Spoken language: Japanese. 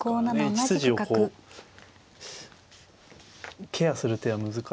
１筋をこうケアする手は難しいので。